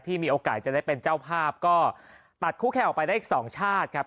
มีโอกาสจะได้เป็นเจ้าภาพก็ตัดคู่แข่งออกไปได้อีกสองชาติครับ